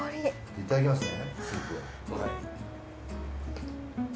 いただきますね。